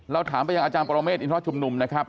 เราถามไปยังอาจารย์ปรเมฆอินทรชุมนุมนะครับ